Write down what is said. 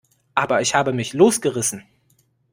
Aber ich habe mich losgerissen.